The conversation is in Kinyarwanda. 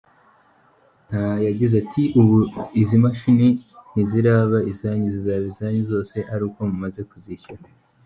Yagize ati "Ubu izi mashini ntiziraba izanyu zizaba izanyu zose ari uko mumaze kuzishyura.